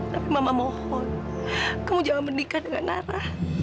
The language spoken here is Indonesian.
tapi mama mohon kamu jangan menikah dengan nara